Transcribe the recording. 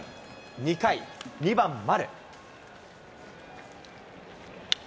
２回、２番丸。